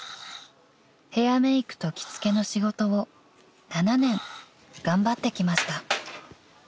［ヘアメークと着付けの仕事を７年頑張ってきました］